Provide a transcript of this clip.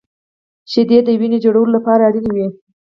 • شیدې د وینې جوړولو لپاره اړینې وي.